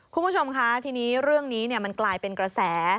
คุณผู้ชมคะทีนี้เรื่องนี้มันกลายเป็นกระแส